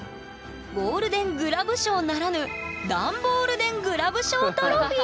ゴールデン・グラブ賞ならぬダンボールデン・グラブ賞トロフィー！